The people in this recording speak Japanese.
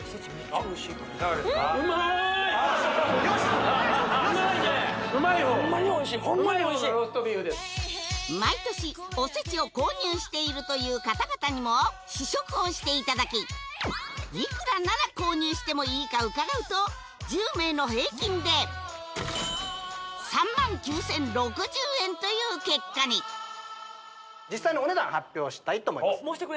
うまいねうまいよ！ホンマにおいしいホンマにおいしい毎年おせちを購入しているという方々にも試食をしていただきいくらなら購入してもいいかうかがうと１０名の平均で３万９０６０円という結果に実際のお値段発表したいと思います